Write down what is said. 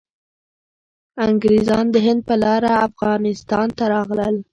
انګریزان د هند په لاره افغانستان ته راغلل.